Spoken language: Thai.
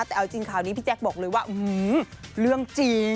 แต่เอาจริงข่าวนี้พี่แจ๊คบอกเลยว่าเรื่องจริง